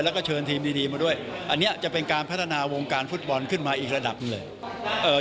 แล้วก็เชิญทีมดีดีมาด้วยอันนี้จะเป็นการพัฒนาวงการฟุตบอลขึ้นมาอีกระดับหนึ่งเลยเอ่อ